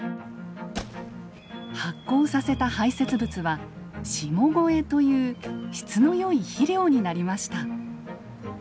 発酵させた排せつ物は「下肥」という質の良い肥料になりました。